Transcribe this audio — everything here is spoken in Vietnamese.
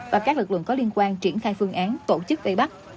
và các lực lượng có liên quan triển khai phương án tổ chức vây bắt